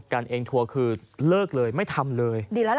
การเองทัวร์คือเลิกเลยไม่ทำเลย